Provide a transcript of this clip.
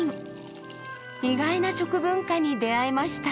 意外な食文化に出会えました。